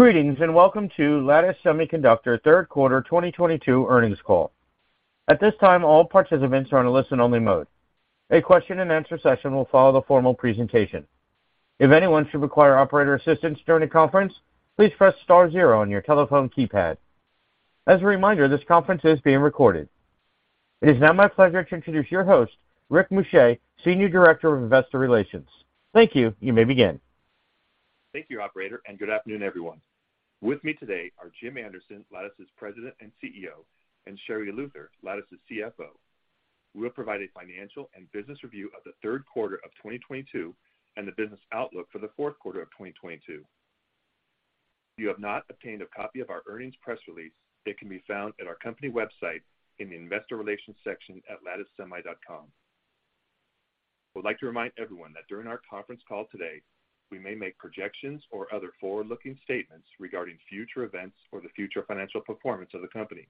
Greetings, and welcome to Lattice Semiconductor third quarter 2022 earnings call. At this time, all participants are on a listen-only mode. A question-and-answer session will follow the formal presentation. If anyone should require operator assistance during the conference, please press star zero on your telephone keypad. As a reminder, this conference is being recorded. It is now my pleasure to introduce your host, Rick Muscha, Senior Director of Investor Relations. Thank you. You may begin. Thank you, operator, and good afternoon, everyone. With me today are Jim Anderson, Lattice's President and CEO, and Sherri Luther, Lattice's CFO. We'll provide a financial and business review of the third quarter of 2022 and the business outlook for the fourth quarter of 2022. If you have not obtained a copy of our earnings press release, it can be found at our company website in the Investor Relations section at latticesemi.com. I would like to remind everyone that during our conference call today, we may make projections or other forward-looking statements regarding future events or the future financial performance of the company.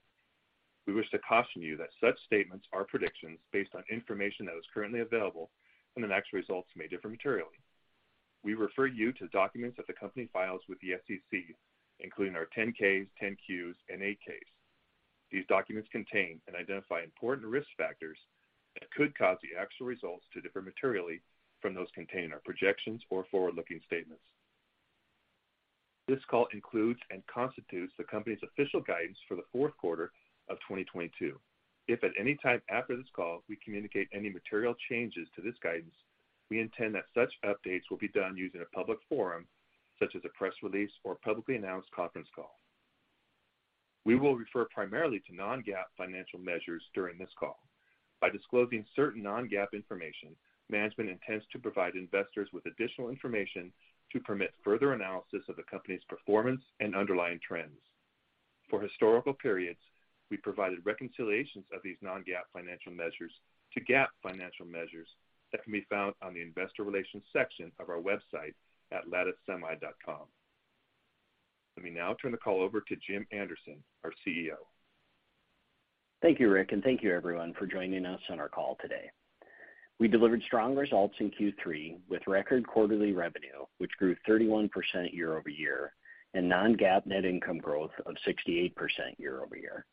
We wish to caution you that such statements are predictions based on information that is currently available, and the actual results may differ materially. We refer you to documents that the company files with the SEC, including our 10-Ks, 10-Qs, and 8-Ks. These documents contain and identify important risk factors that could cause the actual results to differ materially from those contained in our projections or forward-looking statements. This call includes and constitutes the company's official guidance for the fourth quarter of 2022. If at any time after this call we communicate any material changes to this guidance, we intend that such updates will be done using a public forum, such as a press release or publicly-announced conference call. We will refer primarily to non-GAAP financial measures during this call. By disclosing certain non-GAAP information, management intends to provide investors with additional information to permit further analysis of the company's performance and underlying trends. For historical periods, we provided reconciliations of these non-GAAP financial measures to GAAP financial measures that can be found on the Investor Relations section of our website at latticesemi.com. Let me now turn the call over to Jim Anderson, our CEO. Thank you, Rick, and thank you everyone for joining us on our call today. We delivered strong results in Q3 with record quarterly revenue, which grew 31% year-over-year, and non-GAAP net income growth of 68% year-over-year.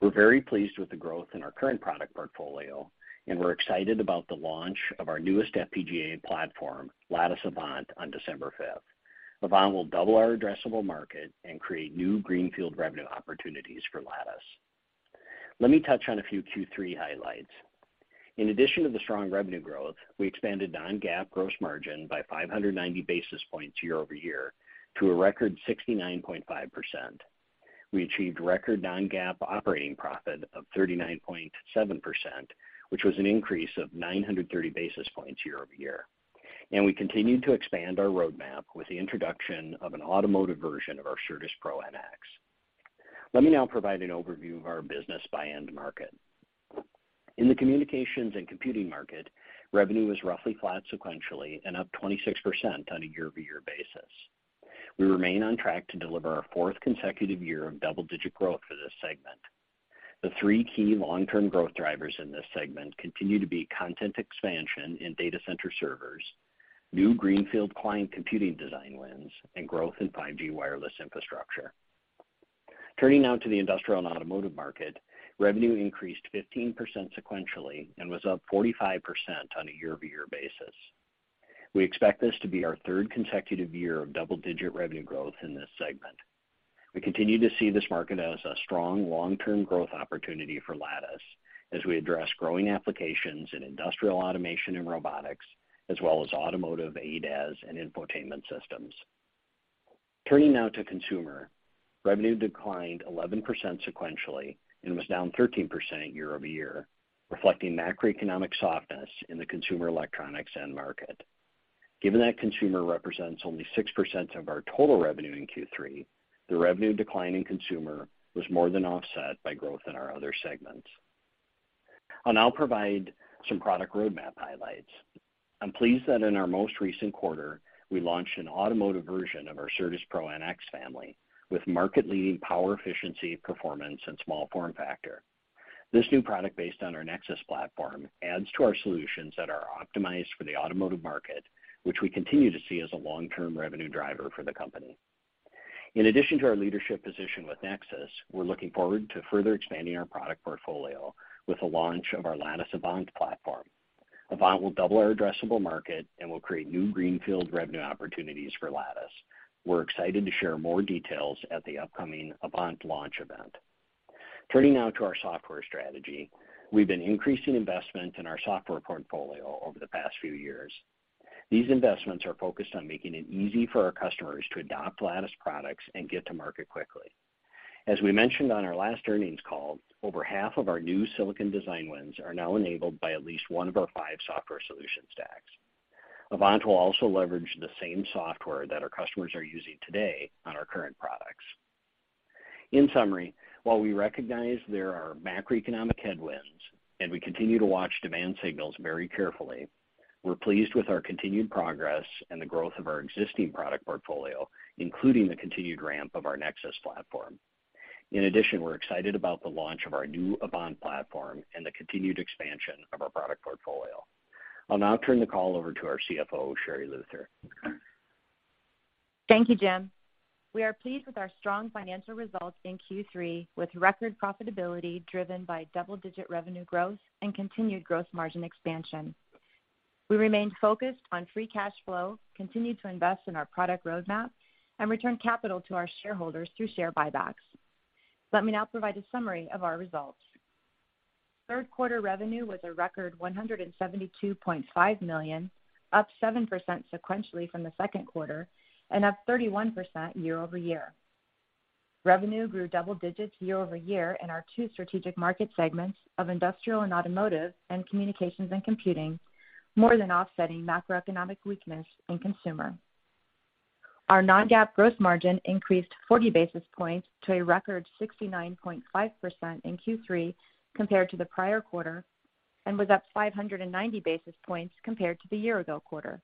We're very pleased with the growth in our current product portfolio, and we're excited about the launch of our newest FPGA platform, Lattice Avant, on December 5th. Avant will double our addressable market and create new greenfield revenue opportunities for Lattice. Let me touch on a few Q3 highlights. In addition to the strong revenue growth, we expanded non-GAAP gross margin by 590 basis points year-over-year to a record 69.5%. We achieved record non-GAAP operating profit of 39.7%, which was an increase of 930 basis points year-over-year. We continued to expand our roadmap with the introduction of an automotive version of our CertusPro-NX. Let me now provide an overview of our business by end market. In the communications and computing market, revenue was roughly flat sequentially and up 26% on a year-over-year basis. We remain on track to deliver our fourth consecutive year of double-digit growth for this segment. The three key long-term growth drivers in this segment continue to be content expansion in data center servers, new greenfield client computing design wins, and growth in 5G wireless infrastructure. Turning now to the industrial and automotive market, revenue increased 15% sequentially and was up 45% on a year-over-year basis. We expect this to be our third consecutive year of double-digit revenue growth in this segment. We continue to see this market as a strong long-term growth opportunity for Lattice as we address growing applications in industrial automation and robotics, as well as automotive ADAS and infotainment systems. Turning now to consumer, revenue declined 11% sequentially and was down 13% year-over-year, reflecting macroeconomic softness in the consumer electronics end market. Given that consumer represents only 6% of our total revenue in Q3, the revenue decline in consumer was more than offset by growth in our other segments. I'll now provide some product roadmap highlights. I'm pleased that in our most recent quarter, we launched an automotive version of our CertusPro-NX family with market-leading power efficiency, performance, and small-form factor. This new product, based on our Nexus platform, adds to our solutions that are optimized for the automotive market, which we continue to see as a long-term revenue driver for the company. In addition to our leadership position with Nexus, we're looking forward to further expanding our product portfolio with the launch of our Lattice Avant platform. Avant will double our addressable market and will create new greenfield revenue opportunities for Lattice. We're excited to share more details at the upcoming Avant launch event. Turning now to our software strategy. We've been increasing investment in our software portfolio over the past few years. These investments are focused on making it easy for our customers to adopt Lattice products and get to market quickly. As we mentioned on our last earnings call, over half of our new silicon design wins are now enabled by at least one of our five software solution stacks. Avant will also leverage the same software that our customers are using today on our current products. In summary, while we recognize there are macroeconomic headwinds, and we continue to watch demand signals very carefully, we're pleased with our continued progress and the growth of our existing product portfolio, including the continued ramp of our Nexus platform. In addition, we're excited about the launch of our new Avant platform and the continued expansion of our product portfolio. I'll now turn the call over to our CFO, Sherri Luther. Thank you, Jim. We are pleased with our strong financial results in Q3, with record profitability driven by double-digit revenue growth and continued gross margin expansion. We remain focused on free cash flow, continued to invest in our product roadmap, and return capital to our shareholders through share buybacks. Let me now provide a summary of our results. Third quarter revenue was a record $172.5 million, up 7% sequentially from the second quarter and up 31% year-over-year. Revenue grew double digits year-over-year in our two strategic market segments of industrial and automotive and communications and computing, more than offsetting macroeconomic weakness in consumer. Our non-GAAP gross margin increased 40 basis points to a record 69.5% in Q3 compared to the prior quarter, and was up 590 basis points compared to the year-ago quarter.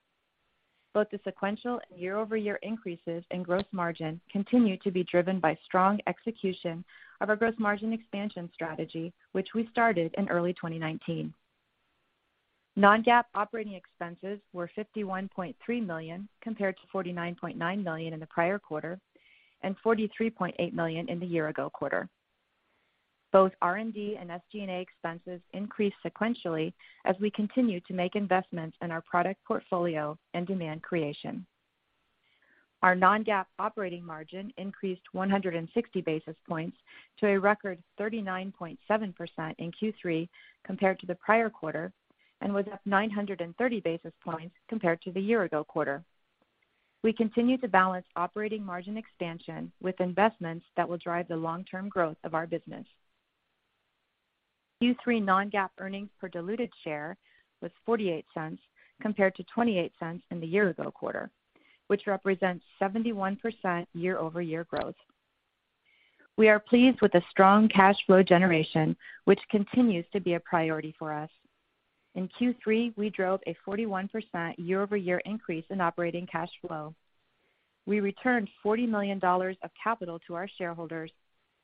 Both the sequential and year-over-year increases in gross margin continue to be driven by strong execution of our gross margin expansion strategy, which we started in early 2019. Non-GAAP operating expenses were $51.3 million, compared to $49.9 million in the prior quarter, and $43.8 million in the year-ago quarter. Both R&D and SG&A expenses increased sequentially as we continue to make investments in our product portfolio and demand creation. Our non-GAAP operating margin increased 160 basis points to a record 39.7% in Q3 compared to the prior quarter, and was up 930 basis points compared to the year-ago quarter. We continue to balance operating margin expansion with investments that will drive the long-term growth of our business. Q3 non-GAAP earnings per diluted share was $0.48 compared to $0.28 in the year-ago quarter, which represents 71% year-over-year growth. We are pleased with the strong cash flow generation, which continues to be a priority for us. In Q3, we drove a 41% year-over-year increase in operating cash flow. We returned $40 million of capital to our shareholders,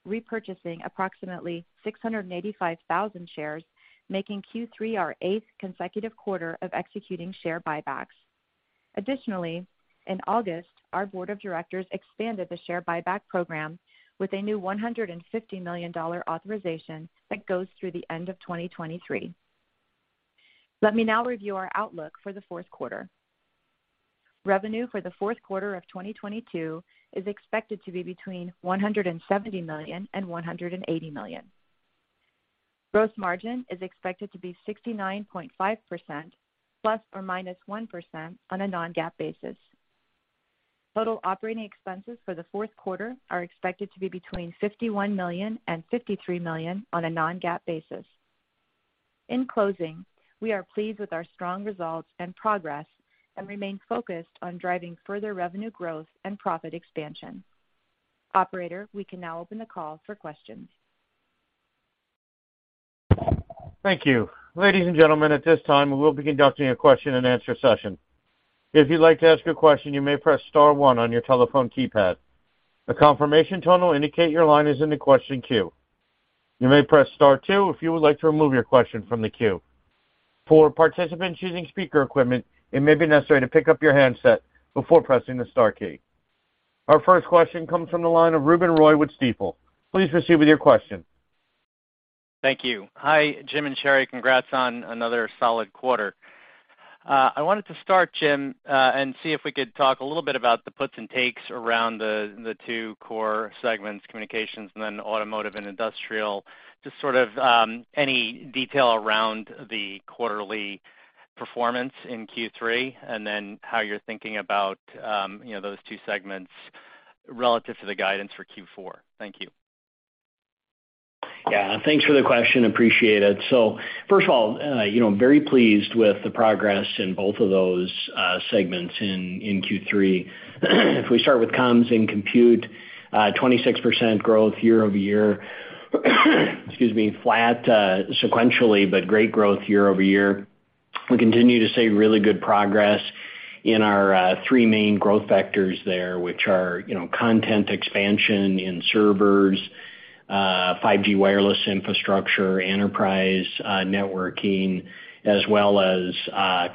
repurchasing approximately 685,000 shares, making Q3 our eighth consecutive quarter of executing share buybacks. Additionally, in August, our board of directors expanded the share buyback program with a new $150 million authorization that goes through the end of 2023. Let me now review our outlook for the fourth quarter. Revenue for the fourth quarter of 2022 is expected to be between $170 million and $180 million. Gross margin is expected to be 69.5% ±1% on a non-GAAP basis. Total operating expenses for the fourth quarter are expected to be between $51 million and $53 million on a non-GAAP basis. In closing, we are pleased with our strong results and progress and remain focused on driving further revenue growth and profit expansion. Operator, we can now open the call for questions. Thank you. Ladies and gentlemen, at this time, we will be conducting a question-and-answer session. If you'd like to ask a question, you may press star one on your telephone keypad. A confirmation tone will indicate your line is in the question queue. You may press star two if you would like to remove your question from the queue. For participants using speaker equipment, it may be necessary to pick up your handset before pressing the star key. Our first question comes from the line of Ruben Roy with Stifel. Please proceed with your question. Thank you. Hi, Jim and Sherri. Congrats on another solid quarter. I wanted to start, Jim, and see if we could talk a little bit about the puts and takes around the two core segments, communications and then automotive and industrial. Just sort of any detail around the quarterly performance in Q3, and then how you're thinking about you know those two segments relative to the guidance for Q4. Thank you. Yeah, thanks for the question. Appreciate it. First of all, you know, very pleased with the progress in both of those segments in Q3. If we start with comms and compute, 26% growth year-over-year, excuse me, flat sequentially, but great growth year-over-year. We continue to see really good progress in our three main growth vectors there, which are, you know, content expansion in servers, 5G wireless infrastructure, enterprise, networking, as well as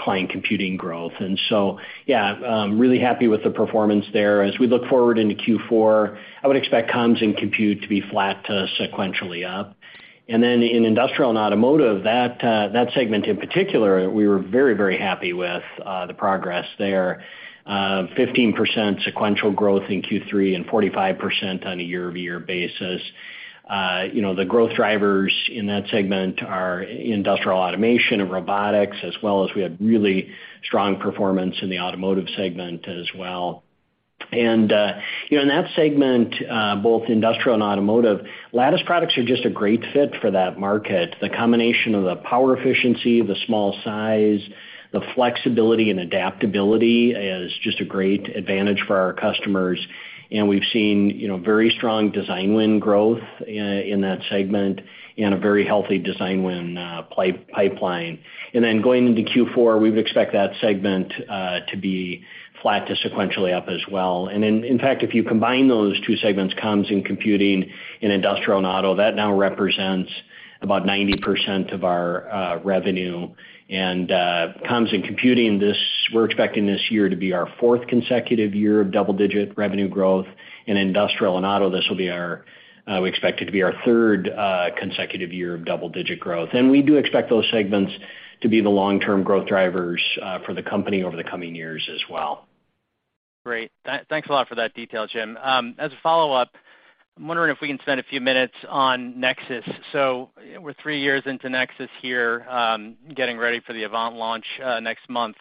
client computing growth. Yeah, I'm really happy with the performance there. As we look forward into Q4, I would expect comms and compute to be flat to sequentially up. In industrial and automotive, that segment in particular, we were very, very happy with the progress there. 15% sequential growth in Q3 and 45% on a year-over-year basis. You know, the growth drivers in that segment are industrial automation and robotics, as well as we had really strong performance in the automotive segment as well. You know, in that segment, both industrial and automotive, Lattice products are just a great fit for that market. The combination of the power efficiency, the small size, the flexibility and adaptability is just a great advantage for our customers. We've seen, you know, very strong design win growth in that segment and a very healthy design win pipeline. Then going into Q4, we would expect that segment to be flat to sequentially up as well. In fact, if you combine those two segments, comms and computing and industrial and auto, that now represents about 90% of our revenue, and comms and computing, we're expecting this year to be our fourth consecutive year of double-digit revenue growth. In industrial and auto, we expect it to be our third consecutive year of double-digit growth. We do expect those segments to be the long-term growth drivers for the company over the coming years as well. Great. Thanks a lot for that detail, Jim. As a follow-up, I'm wondering if we can spend a few minutes on Nexus. We're three years into Nexus here, getting ready for the Avant launch next month.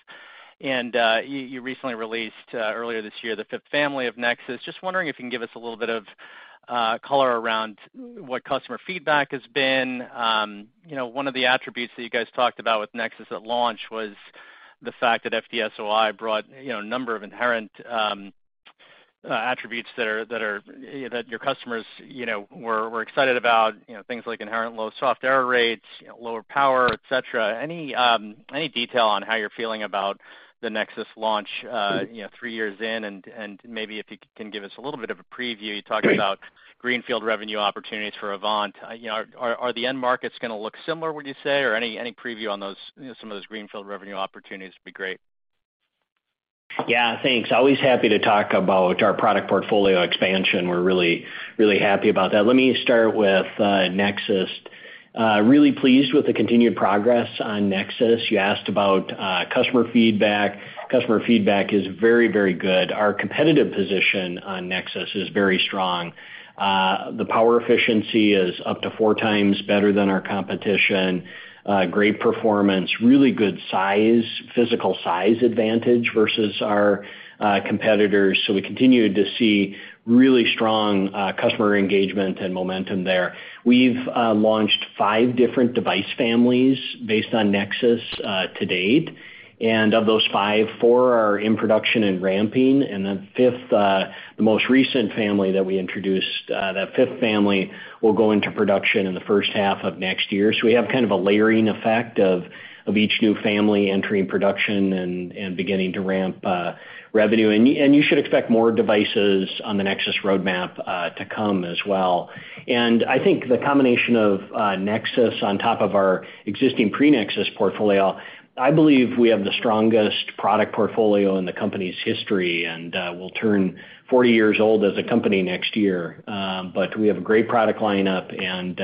You recently released earlier this year the fifth family of Nexus. Just wondering if you can give us a little bit of color around what customer feedback has been. You know, one of the attributes that you guys talked about with Nexus at launch was the fact that FD-SOI brought you know a number of inherent attributes that are that your customers you know were excited about you know things like inherent low soft error rates, lower power, et cetera. Any detail on how you're feeling about the Nexus launch you know three years in? Maybe if you can give us a little bit of a preview. You talked about greenfield revenue opportunities for Avant. You know, are the end markets gonna look similar, would you say, or any preview on those, you know, some of those greenfield revenue opportunities would be great. Yeah, thanks. Always happy to talk about our product portfolio expansion. We're really, really happy about that. Let me start with Nexus. Really pleased with the continued progress on Nexus. You asked about customer feedback. Customer feedback is very, very good. Our competitive position on Nexus is very strong. The power efficiency is up to four times better than our competition. Great performance, really good size, physical size advantage versus our competitors. We continue to see really strong customer engagement and momentum there. We've launched five different device families based on Nexus to date. Of those five, four are in production and ramping, and the fifth, the most recent family that we introduced, that fifth family will go into production in the first half of next year. We have kind of a layering effect of each new family entering production and beginning to ramp revenue. You should expect more devices on the Nexus roadmap to come as well. I think the combination of Nexus on top of our existing pre-Nexus portfolio. I believe we have the strongest product portfolio in the company's history, and we'll turn 40 years old as a company next year. We have a great product lineup and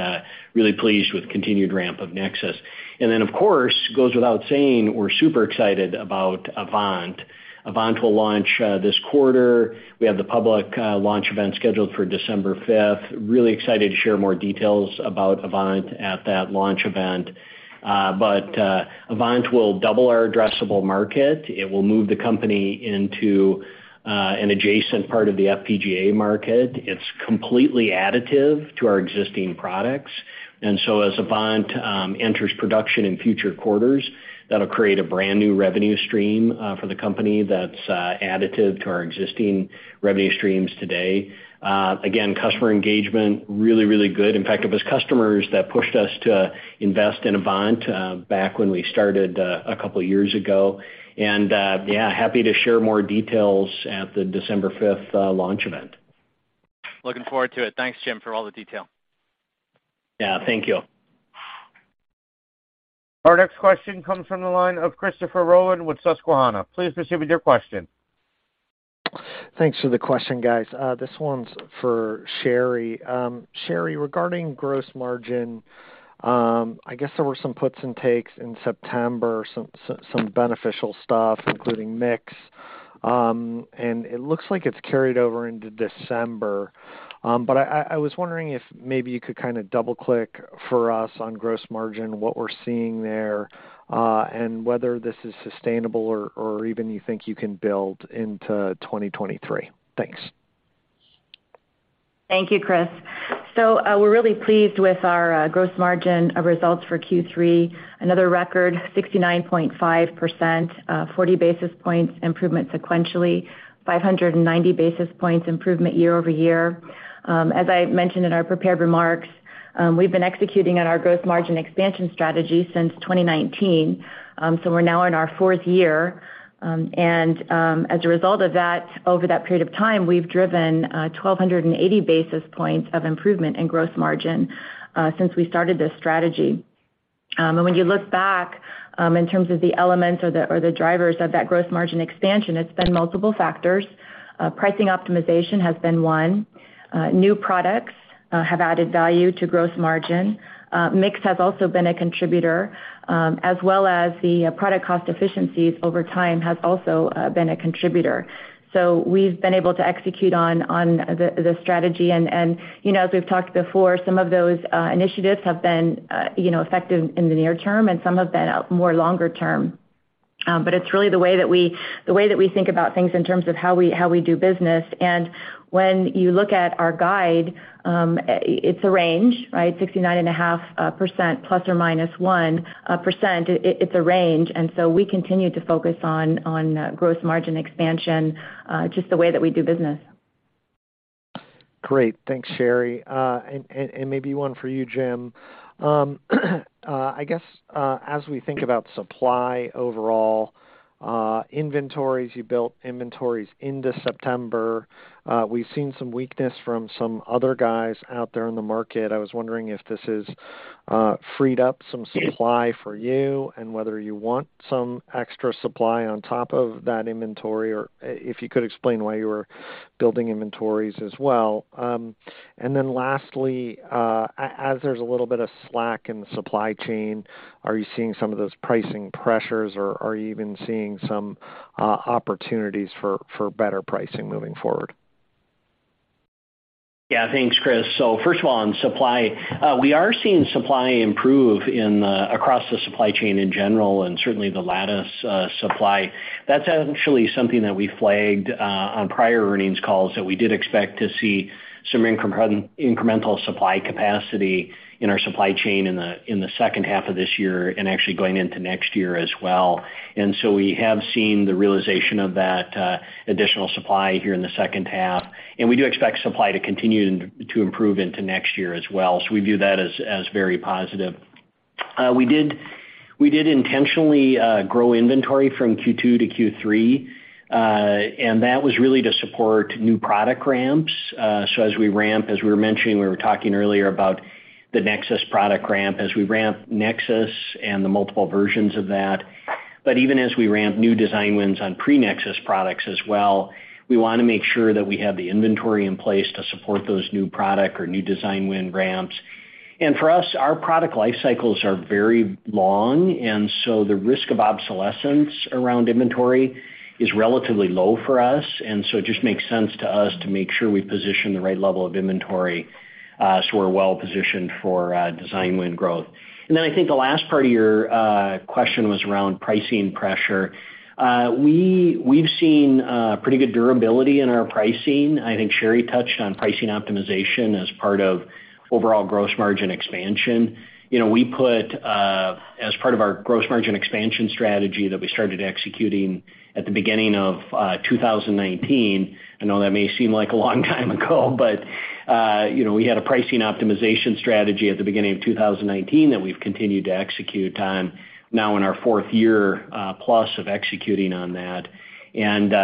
really pleased with continued ramp of Nexus. Of course, goes without saying, we're super excited about Avant. Avant will launch this quarter. We have the public launch event scheduled for December 5th. Really excited to share more details about Avant at that launch event. Avant will double our addressable market. It will move the company into an adjacent part of the FPGA market. It's completely additive to our existing products. As Avant enters production in future quarters, that'll create a brand-new revenue stream for the company that's additive to our existing revenue streams today. Again, customer engagement, really, really good. In fact, it was customers that pushed us to invest in Avant back when we started a couple of years ago. Yeah, happy to share more details at the December 5th launch event. Looking forward to it. Thanks, Jim, for all the detail. Yeah, thank you. Our next question comes from the line of Christopher Rolland with Susquehanna. Please proceed with your question. Thanks for the question, guys. This one's for Sherri. Sherri, regarding gross margin, I guess there were some puts and takes in September, some beneficial stuff, including mix, and it looks like it's carried over into December. But I was wondering if maybe you could kind of double-click for us on gross margin, what we're seeing there, and whether this is sustainable or even you think you can build into 2023. Thanks. Thank you, Chris. We're really pleased with our gross margin results for Q3. Another record, 69.5%, 40 basis points improvement sequentially, 590 basis points improvement year-over-year. As I mentioned in our prepared remarks, we've been executing on our gross margin expansion strategy since 2019. We're now in our fourth year. As a result of that, over that period of time, we've driven 1,280 basis points of improvement in gross margin since we started this strategy. When you look back in terms of the elements or the drivers of that gross margin expansion, it's been multiple factors. Pricing optimization has been one. New products have added value to gross margin. Mix has also been a contributor, as well as the product cost efficiencies over time has also been a contributor. We've been able to execute on the strategy. You know, as we've talked before, some of those initiatives have been you know, effective in the near term, and some have been more longer term. But it's really the way that we think about things in terms of how we do business. When you look at our guide, it's a range, right? 69.5% ± 1%. It's a range, and we continue to focus on gross margin expansion, just the way that we do business. Great. Thanks, Sherri. Maybe one for you, Jim. I guess as we think about supply overall, inventories, you built inventories into September. We've seen some weakness from some other guys out there in the market. I was wondering if this freed up some supply for you and whether you want some extra supply on top of that inventory, or if you could explain why you were building inventories as well. Then lastly, as there's a little bit of slack in the supply chain, are you seeing some of those pricing pressures, or are you even seeing some opportunities for better pricing moving forward? Yeah. Thanks, Chris. First of all, on supply, we are seeing supply improve in across the supply chain in general, and certainly the Lattice supply. That's actually something that we flagged on prior earnings calls that we did expect to see some incremental supply capacity in our supply chain in the second half of this year and actually going into next year as well. We have seen the realization of that additional supply here in the second half, and we do expect supply to continue to improve into next year as well. We view that as very positive. We did intentionally grow inventory from Q2 to Q3, and that was really to support new product ramps. As we ramp, as we were mentioning, we were talking earlier about the Nexus product ramp, as we ramp Nexus and the multiple versions of that. Even as we ramp new design wins on pre-Nexus products as well, we wanna make sure that we have the inventory in place to support those new product or new design win ramps. For us, our product life cycles are very long, and so the risk of obsolescence around inventory is relatively low for us, and so it just makes sense to us to make sure we position the right level of inventory, so we're well-positioned for design win growth. Then I think the last part of your question was around pricing pressure. We've seen pretty good durability in our pricing. I think Sherri touched on pricing optimization as part of overall gross margin expansion. You know, we put as part of our gross margin expansion strategy that we started executing at the beginning of 2019. I know that may seem like a long time ago, but you know, we had a pricing optimization strategy at the beginning of 2019 that we've continued to execute on now in our fourth-year-plus of executing on that.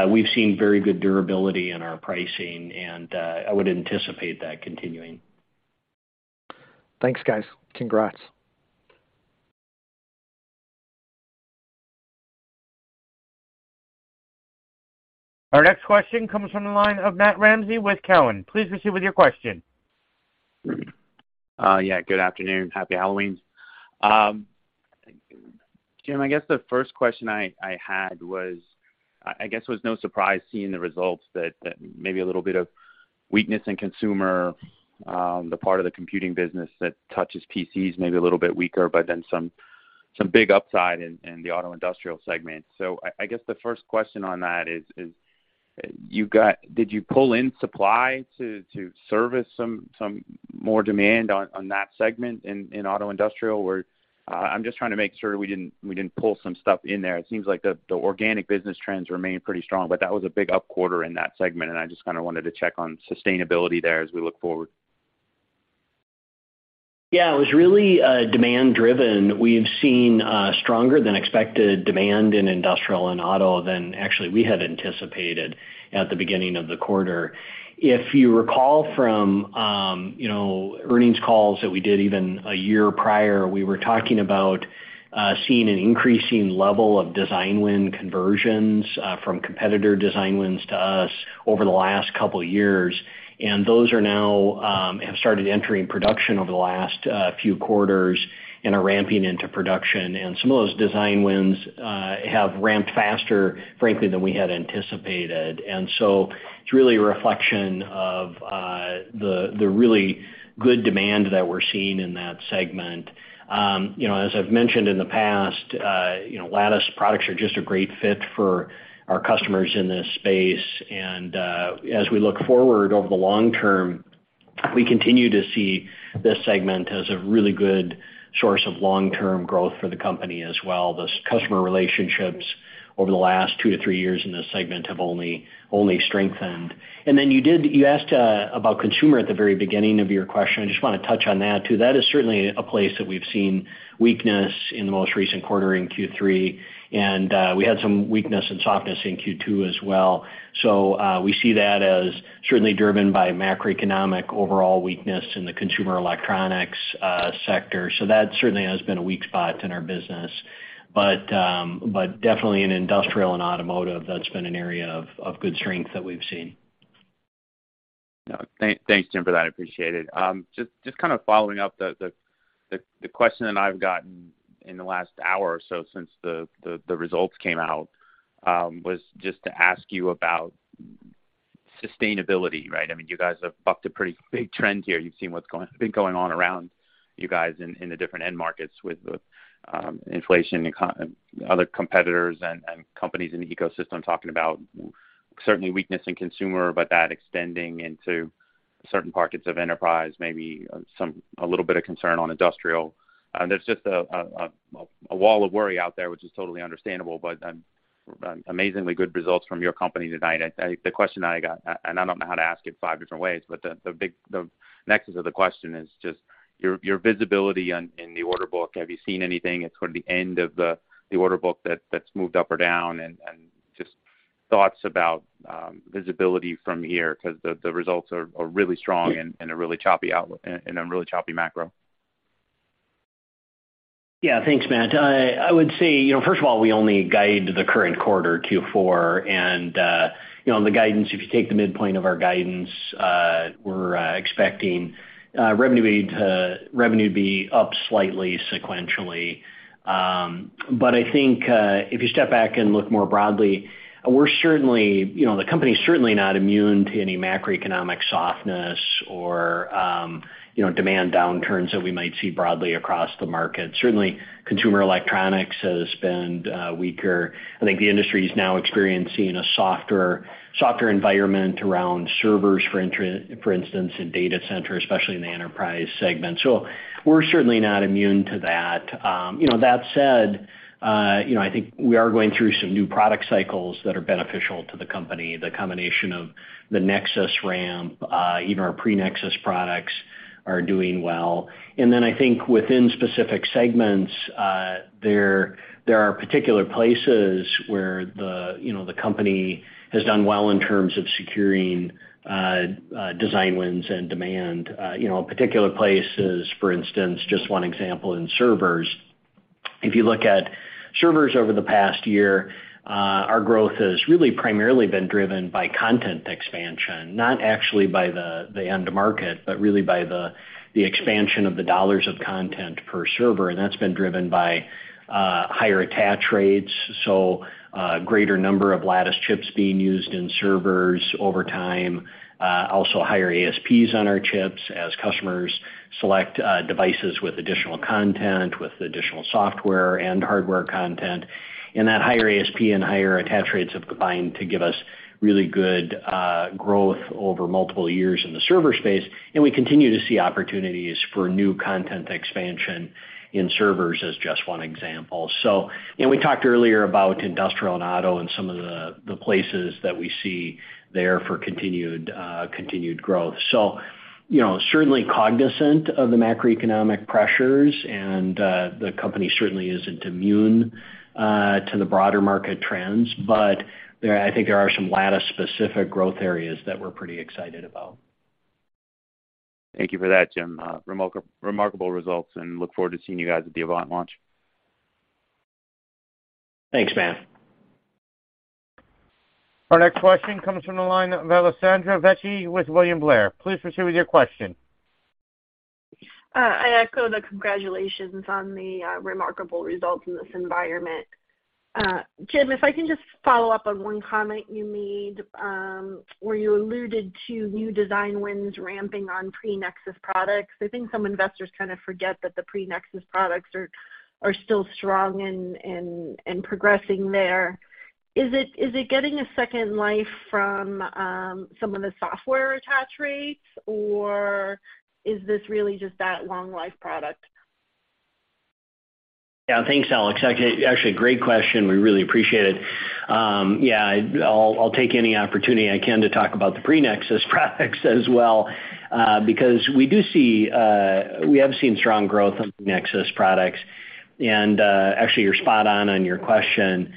We've seen very good durability in our pricing and I would anticipate that continuing. Thanks, guys. Congrats. Our next question comes from the line of Matt Ramsay with Cowen. Please proceed with your question. Yeah, good afternoon. Happy Halloween. Jim, I guess the first question I had was, I guess it was no surprise seeing the results that maybe a little bit of weakness in consumer, the part of the computing business that touches PCs, maybe a little bit weaker, but then some big upside in the auto industrial segment. I guess the first question on that is, did you pull in supply to service some more demand on that segment in auto industrial? Or, I'm just trying to make sure we didn't pull some stuff in there. It seems like the organic business trends remain pretty strong, but that was a big up quarter in that segment, and I just kinda wanted to check on sustainability there as we look forward. Yeah. It was really, demand driven. We've seen, stronger-than-expected demand in industrial and auto than actually we had anticipated at the beginning of the quarter. If you recall from, you know, earnings calls that we did even a year prior, we were talking about, seeing an increasing level of design win conversions, from competitor design wins to us over the last couple years. Those are now, have started entering production over the last, few quarters and are ramping into production. Some of those design wins, have ramped faster, frankly, than we had anticipated. It's really a reflection of the really good demand that we're seeing in that segment. You know, as I've mentioned in the past, you know, Lattice products are just a great fit for our customers in this space. As we look forward over the long term, we continue to see this segment as a really good source of long-term growth for the company as well. Those customer relationships over the last two-three years in this segment have only strengthened. You asked about consumer at the very beginning of your question. I just wanna touch on that too. That is certainly a place that we've seen weakness in the most recent quarter in Q3, and we had some weakness and softness in Q2 as well. We see that as certainly driven by macroeconomic overall weakness in the consumer electronics sector. That certainly has been a weak spot in our business. Definitely in industrial and automotive, that's been an area of good strength that we've seen. No. Thanks, Jim, for that. I appreciate it. Just kind of following up the question that I've gotten in the last hour or so since the results came out, was just to ask you about sustainability, right? I mean, you guys have bucked a pretty big trend here. You've seen what's been going on around you guys in the different end markets with the inflation and other competitors and companies in the ecosystem talking about certainly weakness in consumer, but that extending into certain pockets of enterprise, maybe some a little bit of concern on industrial. There's just a wall of worry out there, which is totally understandable, but amazingly good results from your company tonight. The question I got, and I don't know how to ask it five different ways, but the big nexus of the question is just your visibility into the order book. Have you seen anything toward the end of the order book that's moved up or down and just thoughts about visibility from here, because the results are really strong in a really choppy macro. Yeah. Thanks, Matt. I would say, you know, first of all, we only guide the current quarter Q4. You know, the guidance, if you take the midpoint of our guidance, we're expecting revenue to be up slightly sequentially. I think, if you step back and look more broadly, we're certainly, you know, the company's certainly not immune to any macroeconomic softness or, you know, demand downturns that we might see broadly across the market. Certainly, consumer electronics has been weaker. I think the industry is now experiencing a softer environment around servers, for instance, in data centers, especially in the enterprise segment. We're certainly not immune to that. You know, that said, you know, I think we are going through some new product cycles that are beneficial to the company, the combination of the Nexus ramp, even our pre-Nexus products are doing well. Then I think within specific segments, there are particular places where, you know, the company has done well in terms of securing design wins and demand. You know, particular places, for instance, just one example in servers. If you look at servers over the past year, our growth has really primarily been driven by content expansion, not actually by the end market, but really by the expansion of the dollars of content per server, and that's been driven by higher attach rates, so greater number of Lattice chips being used in servers over time. Also higher ASPs on our chips as customers select devices with additional content, with additional software and hardware content. That higher ASP and higher attach rates have combined to give us really good growth over multiple years in the server space, and we continue to see opportunities for new content expansion in servers as just one example. We talked earlier about industrial and auto and some of the places that we see there for continued growth. You know, certainly cognizant of the macroeconomic pressures, and the company certainly isn't immune to the broader market trends. I think there are some Lattice-specific growth areas that we're pretty excited about. Thank you for that, Jim. Remarkable results, and look forward to seeing you guys at the Avant launch. Thanks, Matt. Our next question comes from the line of Alessandra Vecchi with William Blair. Please proceed with your question. I echo the congratulations on the remarkable results in this environment. Jim, if I can just follow up on one comment you made, where you alluded to new design wins ramping on pre-Nexus products. I think some investors kind of forget that the pre-Nexus products are still strong and progressing there. Is it getting a second life from some of the software attach rates, or is this really just that long life product? Yeah. Thanks, Alex. Actually, a great question. We really appreciate it. Yeah, I'll take any opportunity I can to talk about the pre-Nexus products as well, because we do see, we have seen strong growth on Nexus products. Actually, you're spot on on your question.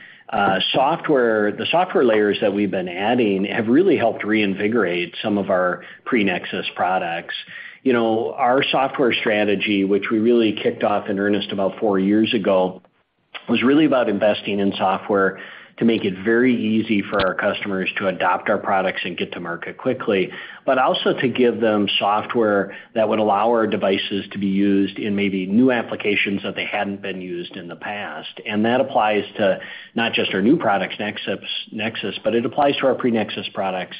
Software, the software layers that we've been adding have really helped reinvigorate some of our pre-Nexus products. You know, our software strategy, which we really kicked off in earnest about four years ago, was really about investing in software to make it very easy for our customers to adopt our products and get to market quickly. Also to give them software that would allow our devices to be used in maybe new applications that they hadn't been used in the past. That applies to not just our new products, Nexus, but it applies to our pre-Nexus products,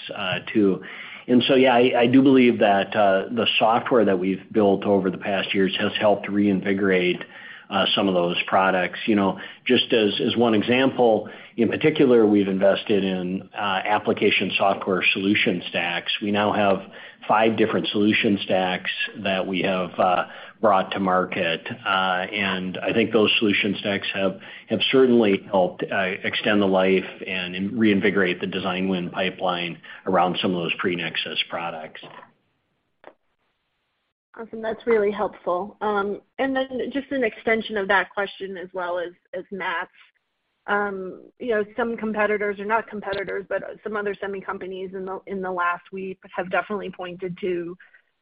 too. I do believe that the software that we've built over the past years has helped reinvigorate some of those products. You know, just as one example, in particular, we've invested in application software solution stacks. We now have five different solution stacks that we have brought to market. I think those solution stacks have certainly helped extend the life and reinvigorate the design win pipeline around some of those pre-Nexus products. Awesome. That's really helpful. Just an extension of that question, as well as Matt's. You know, some competitors or not competitors, but some other semi companies in the last week have definitely pointed to,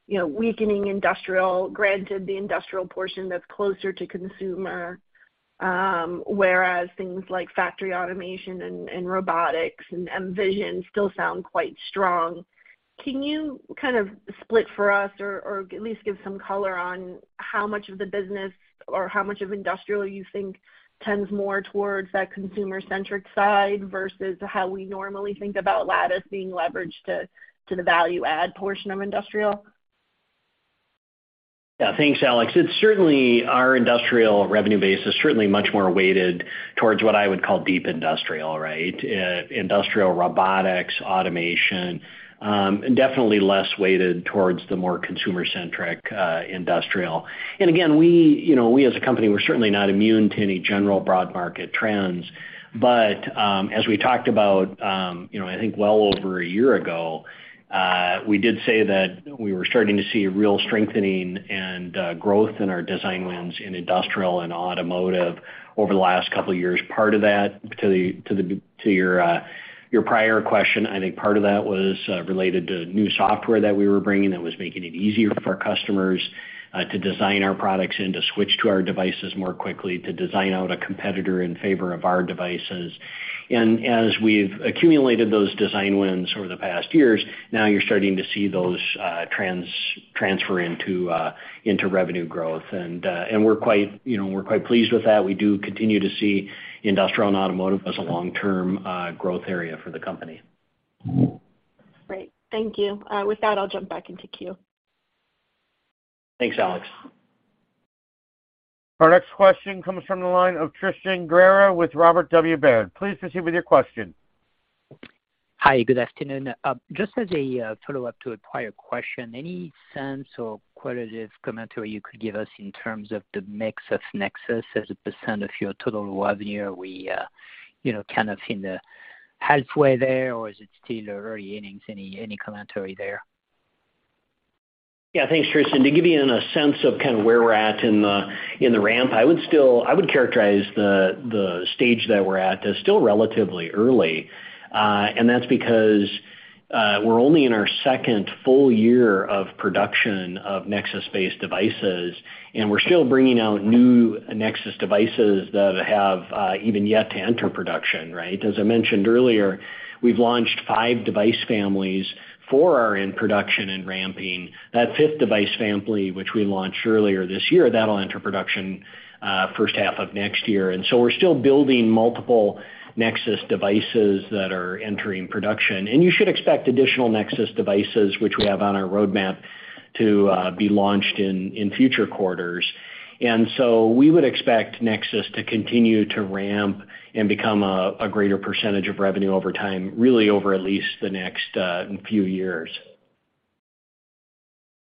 you know, weakening industrial, granted the industrial portion that's closer to consumer, whereas things like factory automation and robotics and vision still sound quite strong. Can you kind of split for us or at least give some color on how much of the business or how much of industrial you think tends more towards that consumer-centric side versus how we normally think about Lattice being leveraged to the value add portion of industrial? Yeah. Thanks, Alex. It's certainly our industrial revenue base is certainly much more weighted towards what I would call deep industrial, right? Industrial robotics, automation, definitely less weighted towards the more consumer-centric, industrial. Again, we, you know, we as a company, we're certainly not immune to any general broad market trends. As we talked about, you know, I think well over a year ago, we did say that we were starting to see a real strengthening and growth in our design wins in industrial and automotive over the last couple of years. Part of that, to your prior question, I think part of that was related to new software that we were bringing that was making it easier for our customers to design our products and to switch to our devices more quickly, to design out a competitor in favor of our devices. As we've accumulated those design wins over the past years, now you're starting to see those transfer into revenue growth. We're quite, you know, pleased with that. We do continue to see industrial and automotive as a long-term growth area for the company. Great. Thank you. With that, I'll jump back into queue. Thanks, Alex. Our next question comes from the line of Tristan Gerra with Robert W. Baird. Please proceed with your question. Hi, good afternoon. Just as a follow-up to a prior question, any sense or qualitative commentary you could give us in terms of the mix of Nexus as a percent of your total revenue? Are we kind of halfway there, or is it still early innings? Any commentary there? Yeah. Thanks, Tristan. To give you a sense of kind of where we're at in the ramp, I would still characterize the stage that we're at as still relatively early. That's because we're only in our second full year of production of Nexus-based devices, and we're still bringing out new Nexus devices that have even yet to enter production, right? As I mentioned earlier, we've launched five device families, four are in production and ramping. That fifth device family, which we launched earlier this year, that'll enter production first half of next year. We're still building multiple Nexus devices that are entering production. You should expect additional Nexus devices, which we have on our roadmap to be launched in future quarters. We would expect Nexus to continue to ramp and become a greater percentage of revenue over time, really over at least the next few years.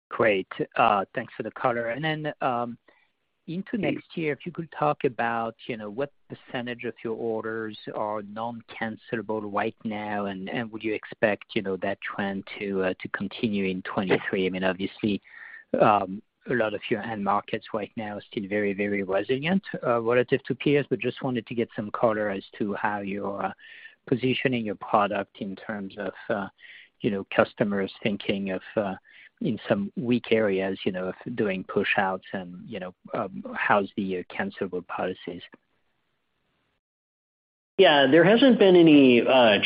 Great. Thanks for the color. Then, into next year, if you could talk about, you know, what percentage of your orders are non-cancelable right now, and would you expect, you know, that trend to continue in 2023? I mean, obviously, a lot of your end markets right now are still very, very resilient, relative to peers. Just wanted to get some color as to how you're positioning your product in terms of, you know, customers thinking of, in some weak areas, you know, doing push outs and, you know, how's the cancelable policies. Yeah. There hasn't been any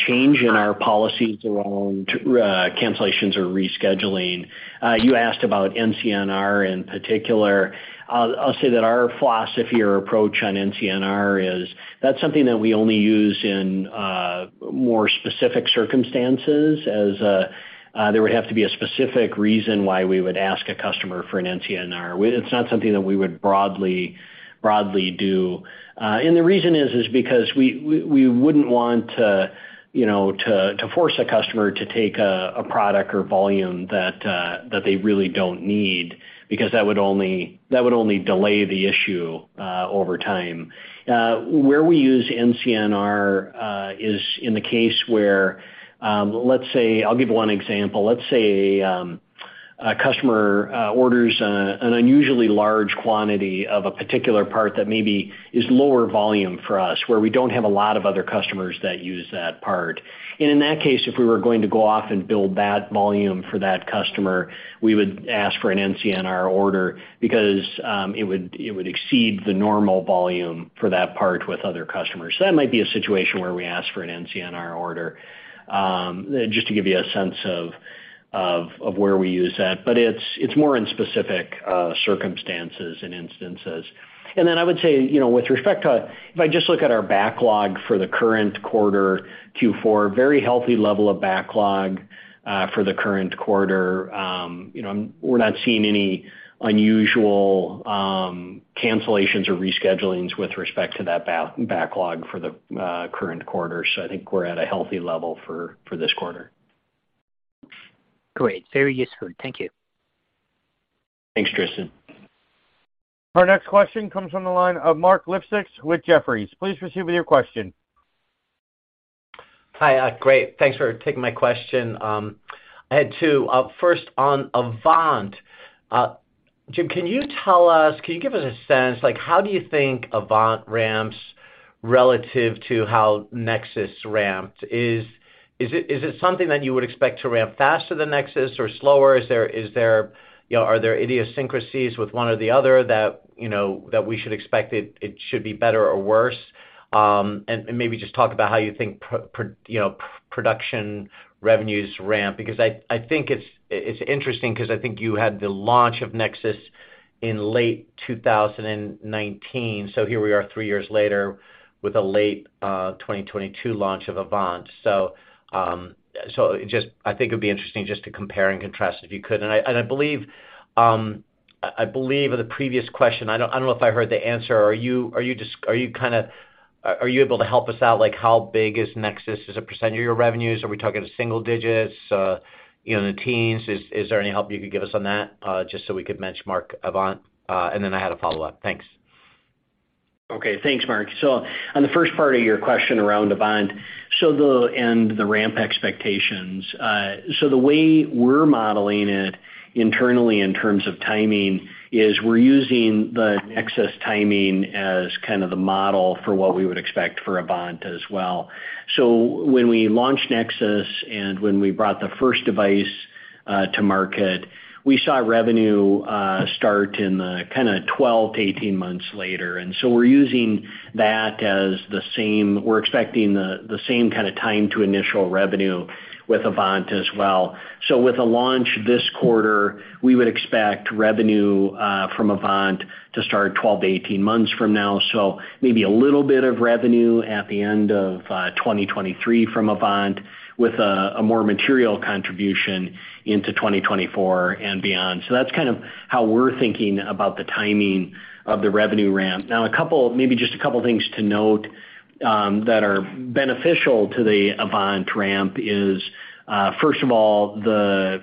change in our policies around cancellations or rescheduling. You asked about NCNR in particular. I'll say that our philosophy or approach on NCNR is that's something that we only use in more specific circumstances, as there would have to be a specific reason why we would ask a customer for an NCNR. It's not something that we would broadly do. The reason is because we wouldn't want to, you know, to force a customer to take a product or volume that they really don't need, because that would only delay the issue over time. Where we use NCNR is in the case where, let's say, I'll give one example. Let's say a customer orders an unusually large quantity of a particular part that maybe is lower volume for us, where we don't have a lot of other customers that use that part. In that case, if we were going to go off and build that volume for that customer, we would ask for an NCNR order because it would exceed the normal volume for that part with other customers. That might be a situation where we ask for an NCNR order just to give you a sense of where we use that. It's more in specific circumstances and instances. Then I would say, you know, with respect to if I just look at our backlog for the current quarter, Q4, very healthy level of backlog for the current quarter. you know, we're not seeing any unusual cancellations or reschedulings with respect to that backlog for the current quarter. I think we're at a healthy level for this quarter. Great. Very useful. Thank you. Thanks, Tristan. Our next question comes from the line of Mark Lipacis with Jefferies. Please proceed with your question. Hi. Great. Thanks for taking my question. I had two. First on Avant. Jim, can you tell us, can you give us a sense, like how do you think Avant ramps relative to how Nexus ramped? Is it something that you would expect to ramp faster than Nexus or slower? Is there, you know, are there idiosyncrasies with one or the other that, you know, that we should expect it should be better or worse? And maybe just talk about how you think production revenues ramp, because I think it's interesting 'cause I think you had the launch of Nexus in late 2019. Here we are three years later with a late 2022 launch of Avant. I think it'd be interesting just to compare and contrast, if you could. I believe in the previous question, I don't know if I heard the answer. Are you able to help us out, like how big is Nexus as a percent of your revenues? Are we talking single digits, you know, in the teens? Is there any help you could give us on that? Just so we could benchmark Avant. Then I had a follow-up. Thanks. Okay. Thanks, Mark. On the first part of your question around Avant, the ramp expectations. The way we're modeling it internally in terms of timing is we're using the Nexus timing as kind of the model for what we would expect for Avant as well. When we launched Nexus and when we brought the first device to market. We saw revenue start in the kind of 12-18 months later. We're using that as the same. We're expecting the same kind of time to initial revenue with Avant as well. With a launch this quarter, we would expect revenue from Avant to start 12-18 months from now. Maybe a little bit of revenue at the end of 2023 from Avant with a more material contribution into 2024 and beyond. That's kind of how we're thinking about the timing of the revenue ramp. Now a couple, maybe just a couple things to note, that are beneficial to the Avant ramp is, first of all, the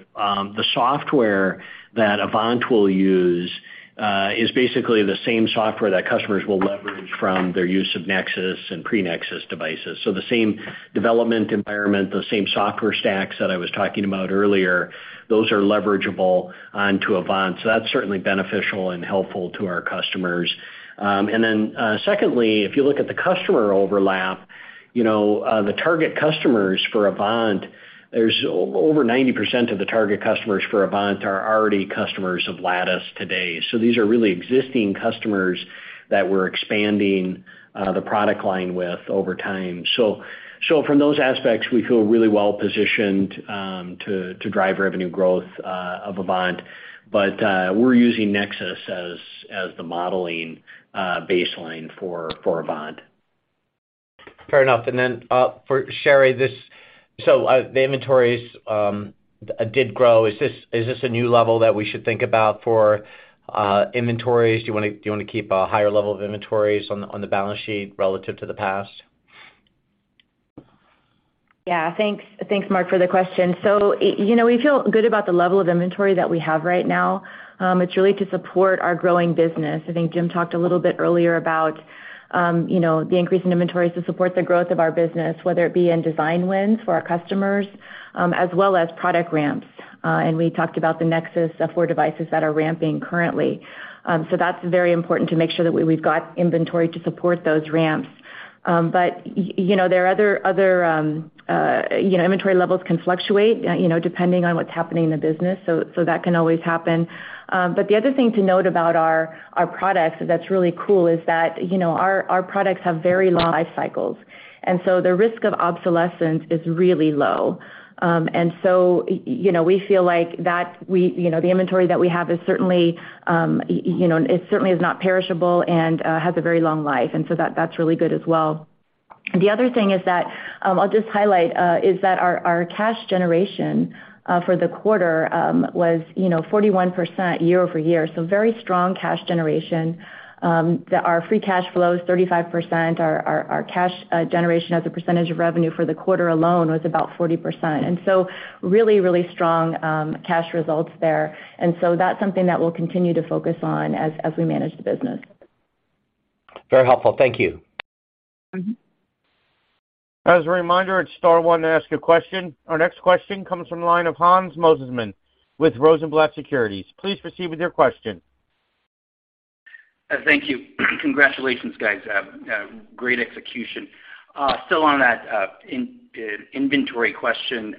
software that Avant will use, is basically the same software that customers will leverage from their use of Nexus and pre-Nexus devices. The same development environment, the same software stacks that I was talking about earlier, those are leverageable onto Avant. That's certainly beneficial and helpful to our customers. And then, secondly, if you look at the customer overlap, you know, the target customers for Avant, there's over 90% of the target customers for Avant are already customers of Lattice today. These are really existing customers that we're expanding, the product line with over time. From those aspects, we feel really well positioned to drive revenue growth of Avant. We're using Nexus as the modeling baseline for Avant. Fair enough. For Sherri, the inventories did grow. Is this a new level that we should think about for inventories? Do you wanna keep a higher level of inventories on the balance sheet relative to the past? Yeah, thanks. Thanks, Mark, for the question. You know, we feel good about the level of inventory that we have right now. It's really to support our growing business. I think Jim talked a little bit earlier about you know the increase in inventories to support the growth of our business, whether it be in design wins for our customers, as well as product ramps. We talked about the Nexus for devices that are ramping currently. That's very important to make sure that we've got inventory to support those ramps. You know, there are other inventory levels that can fluctuate you know depending on what's happening in the business. That can always happen. The other thing to note about our products that's really cool is that, you know, our products have very long life cycles. The risk of obsolescence is really low. You know, we feel like the inventory that we have is certainly, you know, it certainly is not perishable and has a very long life. That's really good as well. The other thing is that I'll just highlight is that our cash generation for the quarter was, you know, 41% year-over-year. Very strong cash generation. Our free cash flow is 35%. Our cash generation as a percentage of revenue for the quarter alone was about 40%. Really strong cash results there. That's something that we'll continue to focus on as we manage the business. Very helpful. Thank you. As a reminder, it's star one to ask a question. Our next question comes from the line of Hans Mosesmann with Rosenblatt Securities. Please proceed with your question. Thank you. Congratulations, guys. Great execution. Still on that inventory question,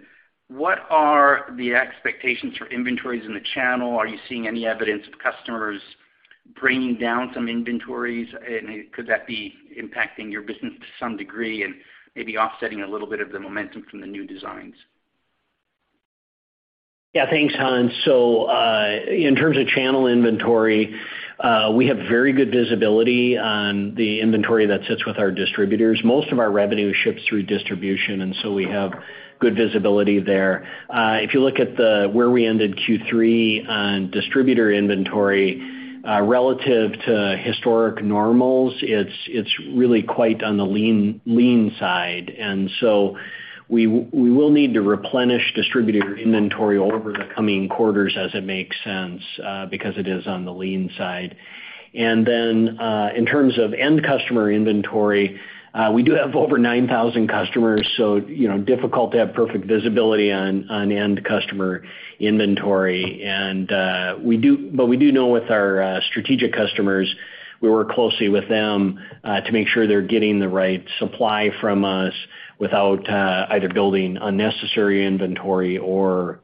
what are the expectations for inventories in the channel? Are you seeing any evidence of customers bringing down some inventories? Could that be impacting your business to some degree and maybe offsetting a little bit of the momentum from the new designs? Yeah, thanks, Hans. In terms of channel inventory, we have very good visibility on the inventory that sits with our distributors. Most of our revenue ships through distribution, and so we have good visibility there. If you look at where we ended Q3 on distributor inventory, relative to historic normals, it's really quite on the lean side. We will need to replenish distributor inventory over the coming quarters as it makes sense, because it is on the lean side. In terms of end-customer inventory, we do have over 9,000 customers, so you know, difficult to have perfect visibility on end-customer inventory. But we do know with our strategic customers, we work closely with them to make sure they're getting the right supply from us without either building unnecessary inventory or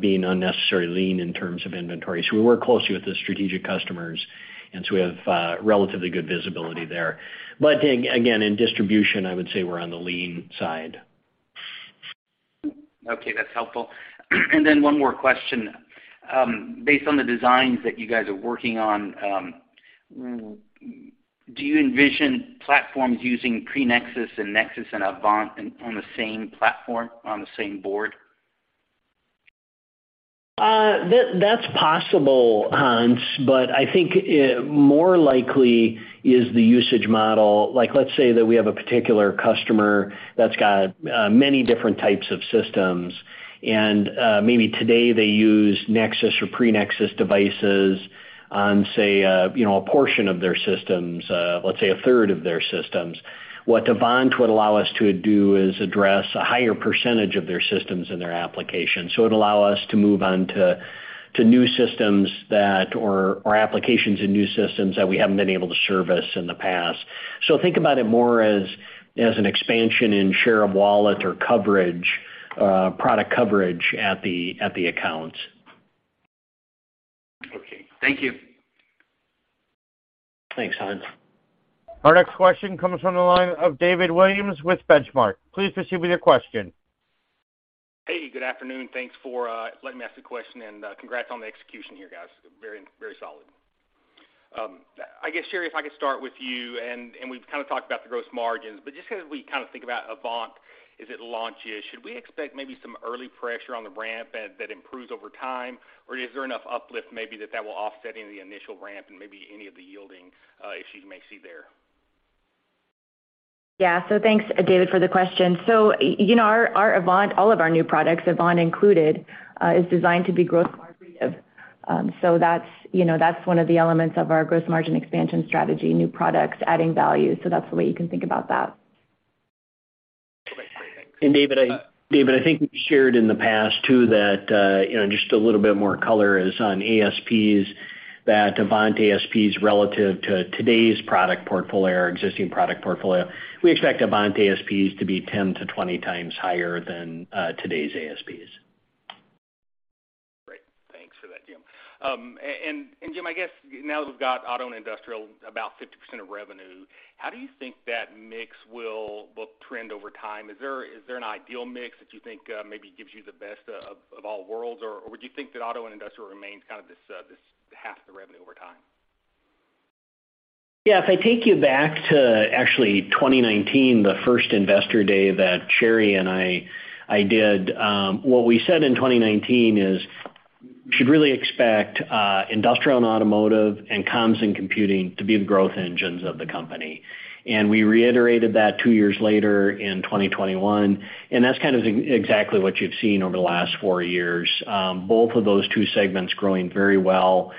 being unnecessarily lean in terms of inventory. We work closely with the strategic customers, and so we have relatively good visibility there. Again, in distribution, I would say we're on the lean side. Okay, that's helpful. One more question. Based on the designs that you guys are working on, do you envision platforms using pre-Nexus and Nexus and Avant on the same platform, on the same board? That's possible, Hans, but I think more likely is the usage model. Like, let's say that we have a particular customer that's got many different types of systems, and maybe today they use Nexus or pre-Nexus devices on, say, you know, a portion of their systems, let's say 1/3 of their systems. What Avant would allow us to do is address a higher percentage of their systems and their applications. It'll allow us to move on to new systems that or applications and new systems that we haven't been able to service in the past. Think about it more as an expansion in share of wallet or coverage, product coverage at the accounts. Okay, thank you. Thanks, Hans. Our next question comes from the line of David Williams with Benchmark. Please proceed with your question. Hey, good afternoon. Thanks for letting me ask the question, and congrats on the execution here, guys. Very, very solid. I guess, Sherri, if I could start with you, and we've kind of talked about the gross margins, but just as we kind of think about Avant as it launches, should we expect maybe some early pressure on the ramp that improves over time? Or is there enough uplift maybe that will offset any of the initial ramp and maybe any of the yielding issues you may see there? Yeah. Thanks, David, for the question. You know, our Avant, all of our new products, Avant included, is designed to be growth accretive. That's one of the elements of our gross margin expansion strategy, new products adding value. That's the way you can think about that. David, I think we've shared in the past too that, you know, just a little bit more color is on ASPs, that Avant ASP is relative to today's product portfolio, our existing product portfolio. We expect Avant ASPs to be 10x-20x higher than today's ASPs. Great. Thanks for that, Jim. Jim, I guess now that we've got auto and industrial, about 50% of revenue, how do you think that mix will trend over time? Is there an ideal mix that you think, maybe gives you the best of all worlds, or would you think that auto and industrial remains kind of this half the revenue over time? Yeah. If I take you back to actually 2019, the first investor day that Sherri and I did, what we said in 2019 is, you should really expect industrial and automotive and comms and computing to be the growth engines of the company. We reiterated that two years later in 2021, and that's kind of exactly what you've seen over the last four years, both of those two segments growing very well.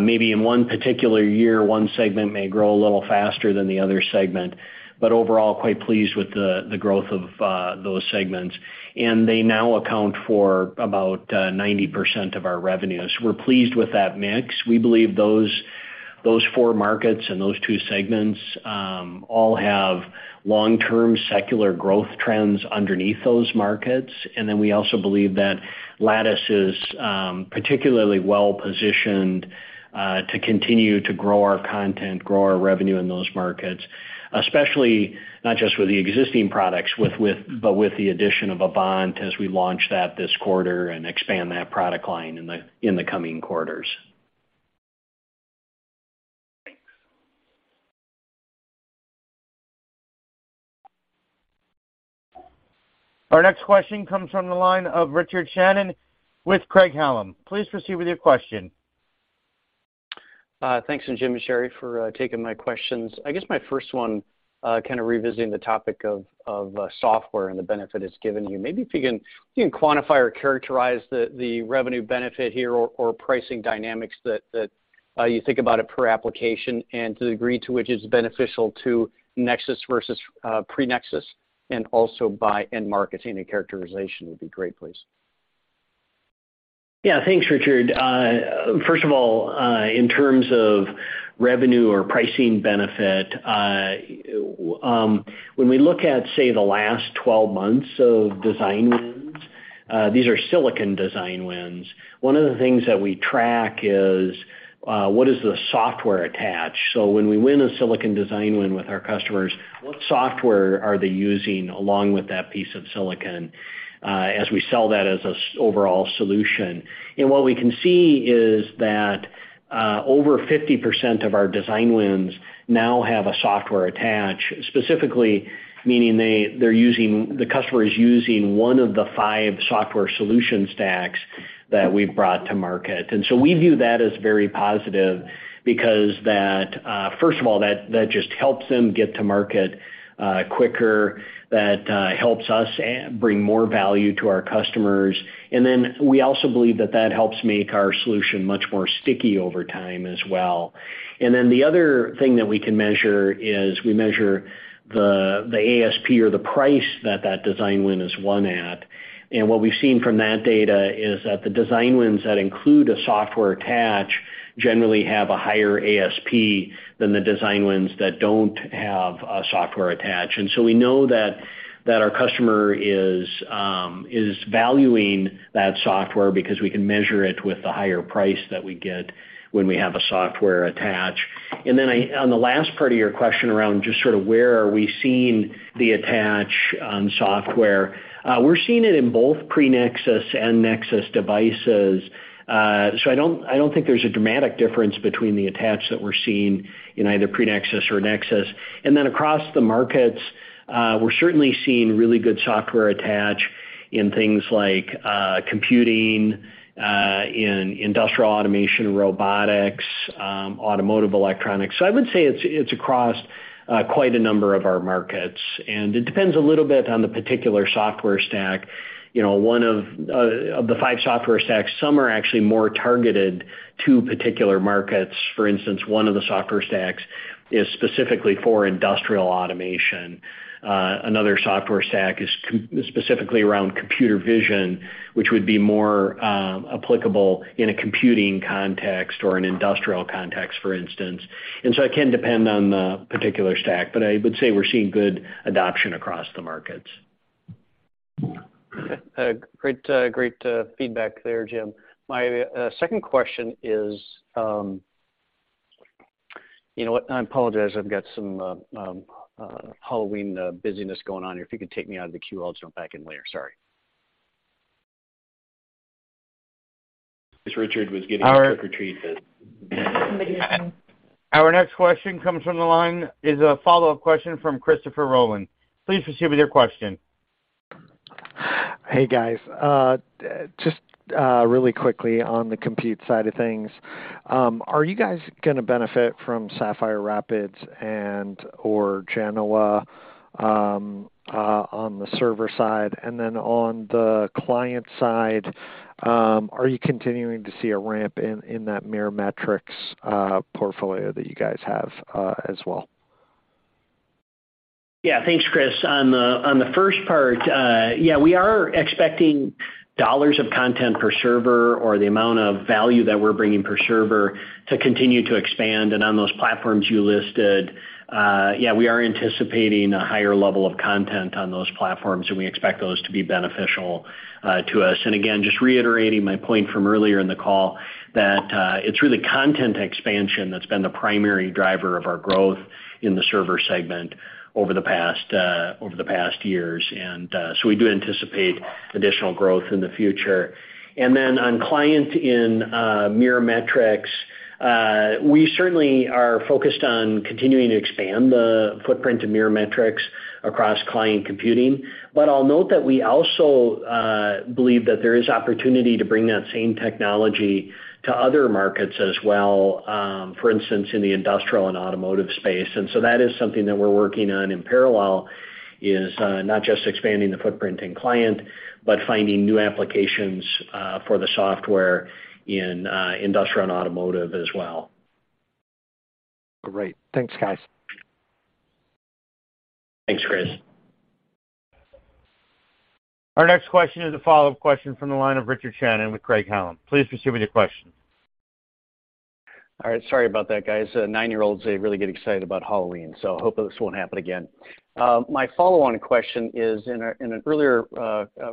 Maybe in one particular year, one segment may grow a little faster than the other segment, but overall, quite pleased with the growth of those segments. They now account for about 90% of our revenues. We're pleased with that mix. We believe those four markets and those two segments all have long-term secular growth trends underneath those markets. We also believe that Lattice is particularly well-positioned to continue to grow our content, grow our revenue in those markets, especially not just with the existing products but with the addition of Avant as we launch that this quarter and expand that product line in the coming quarters. Thanks. Our next question comes from the line of Richard Shannon with Craig-Hallum. Please proceed with your question. Thanks, Jim and Sherri, for taking my questions. I guess my first one kind of revisiting the topic of software and the benefit it's given you. Maybe if you can quantify or characterize the revenue benefit here or pricing dynamics that you think about it per application and the degree to which it's beneficial to Nexus versus pre-Nexus and also by end market. Any characterization would be great, please. Yeah. Thanks, Richard. First of all, in terms of revenue or pricing benefit, when we look at, say, the last 12 months of design wins, these are silicon design wins, one of the things that we track is what is the software attach. So when we win a silicon design win with our customers, what software are they using along with that piece of silicon, as we sell that as an overall solution. What we can see is that over 50% of our design wins now have a software attach, specifically meaning the customer is using one of the five software solution stacks that we've brought to market. We view that as very positive because that, first of all, that just helps them get to market quicker, that helps us bring more value to our customers. We also believe that that helps make our solution much more sticky over time as well. The other thing that we can measure is we measure the ASP or the price that that design win is won at. What we've seen from that data is that the design wins that include a software attach generally have a higher ASP than the design wins that don't have a software attach. We know that our customer is valuing that software because we can measure it with the higher price that we get when we have a software attach. On the last part of your question around just sort of where are we seeing the attach on software, we're seeing it in both pre-Nexus and Nexus devices. I don't think there's a dramatic difference between the attach that we're seeing in either pre-Nexus or Nexus. Across the markets, we're certainly seeing really good software attach in things like computing, in industrial automation, robotics, automotive electronics. I would say it's across, quite a number of our markets. It depends a little bit on the particular software stack. You know, one of the five software stacks, some are actually more targeted to particular markets. For instance, one of the software stacks is specifically for industrial automation. Another software stack is specifically around computer vision, which would be more applicable in a computing context or an industrial context, for instance. It can depend on the particular stack, but I would say we're seeing good adoption across the markets. Okay. Great feedback there, Jim. My second question is— You know what? I apologize. I've got some Halloween busyness going on here. If you could take me out of the queue, I'll jump back in later. Sorry. Our next question comes from the line is a follow-up question from Christopher Rolland. Please proceed with your question. Hey, guys. Just really quickly on the compute side of things, are you guys gonna benefit from Sapphire Rapids and/or Genoa on the server side? Then on the client side, are you continuing to see a ramp in that Mirametrix portfolio that you guys have as well? Yeah. Thanks, Chris. On the first part, yeah, we are expecting dollars of content per server or the amount of value that we're bringing per server to continue to expand and on those platforms you listed, yeah, we are anticipating a higher level of content on those platforms, and we expect those to be beneficial to us. Again, just reiterating my point from earlier in the call that it's really content expansion that's been the primary driver of our growth in the server segment over the past years. We do anticipate additional growth in the future. Then on client in Mirametrix, we certainly are focused on continuing to expand the footprint of Mirametrix across client computing. I'll note that we also believe that there is opportunity to bring that same technology to other markets as well, for instance, in the industrial and automotive space. That is something that we're working on in parallel, not just expanding the footprint in client, but finding new applications for the software in industrial and automotive as well. Great. Thanks, guys. Thanks, Chris. Our next question is a follow-up question from the line of Richard Shannon with Craig-Hallum. Please proceed with your question. All right. Sorry about that, guys. nine-year-olds, they really get excited about Halloween, so hope this won't happen again. My follow-on question is, in an earlier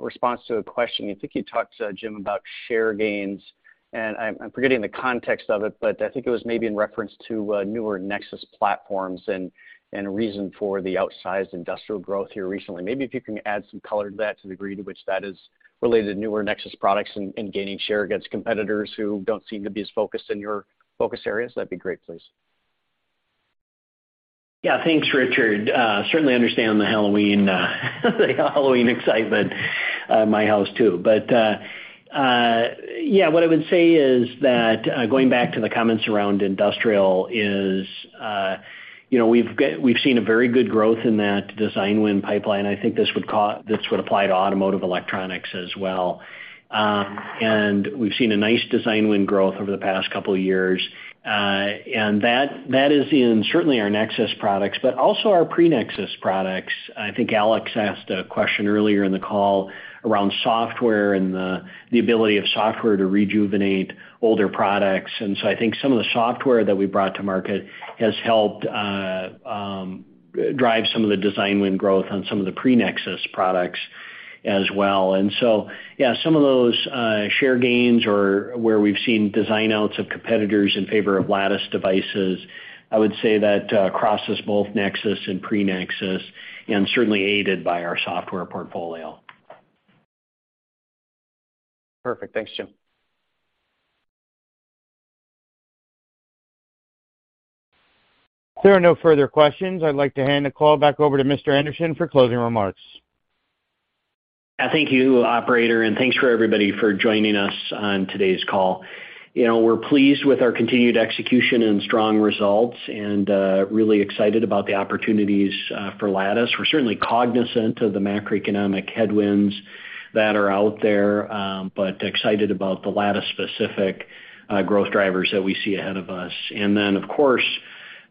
response to a question, I think you talked, Jim, about share gains, and I'm forgetting the context of it, but I think it was maybe in reference to newer Nexus platforms and reason for the outsized industrial growth here recently. Maybe if you can add some color to that to the degree to which that is related to newer Nexus products and gaining share against competitors who don't seem to be as focused in your focus areas? That'd be great, please. Yeah. Thanks, Richard. Certainly understand the Halloween excitement at my house too. Yeah, what I would say is that, going back to the comments around industrial is, you know, we've seen a very good growth in that design win pipeline. I think this would apply to automotive electronics as well. We've seen a nice design win growth over the past couple of years. That is certainly in our Nexus products, but also our pre-Nexus products. I think Alex asked a question earlier in the call around software and the ability of software to rejuvenate older products. I think some of the software that we brought to market has helped drive some of the design win growth on some of the pre-Nexus products as well. Yeah, some of those share gains or where we've seen design outs of competitors in favor of Lattice devices, I would say that crosses both Nexus and pre-Nexus, and certainly aided by our software portfolio. Perfect. Thanks, Jim. If there are no further questions, I'd like to hand the call back over to Jim Anderson for closing remarks. Thank you, operator, and thanks for everybody for joining us on today's call. You know, we're pleased with our continued execution and strong results, and really excited about the opportunities for Lattice. We're certainly cognizant of the macroeconomic headwinds that are out there, but excited about the Lattice-specific growth drivers that we see ahead of us. Then, of course,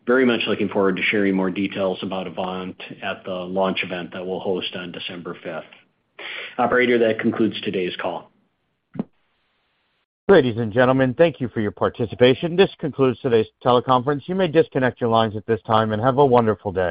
very much looking forward to sharing more details about Avant at the launch event that we'll host on December 5th. Operator, that concludes today's call. Ladies and gentlemen, thank you for your participation. This concludes today's teleconference. You may disconnect your lines at this time, and have a wonderful day.